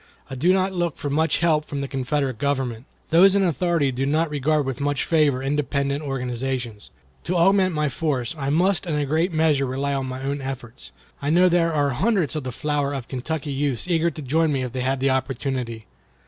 I do not look for much help from the Confederate Government. Those in authority do not regard with much favor independent organizations. To augment my force, I must in a great measure rely on my own efforts. I know there are hundreds of the flower of Kentucky youths eager to join me if they had the opportunity.